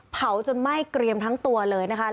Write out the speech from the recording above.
จนไหม้เกรียมทั้งตัวเลยนะคะ